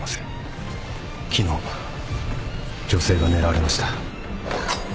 昨日女性が狙われました。